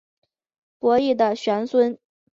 伯益的玄孙。